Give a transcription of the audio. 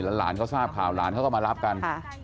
หลานเขาทราบข่าวหลานเขาก็มารับกัน